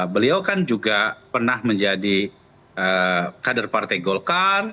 beliau kan juga pernah menjadi kader partai golkar